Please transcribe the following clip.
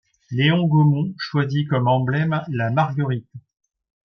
Léon Gaumont choisit comme emblème la marguerite.